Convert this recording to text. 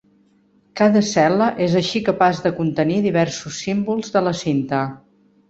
Cada cel·la és així capaç de contenir diversos símbols de la cinta.